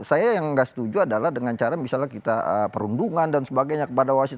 saya yang nggak setuju adalah dengan cara misalnya kita perundungan dan sebagainya kepada wasit